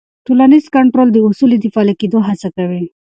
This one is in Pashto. ټولنیز کنټرول د اصولو د پلي کېدو هڅه کوي.